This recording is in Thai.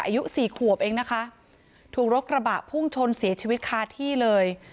อายุสี่ขวบเองนะคะถูกรถกระบะพุ่งชนเสียชีวิตคาที่เลย